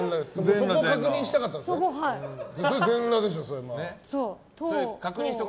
そこを確認したかったんですか。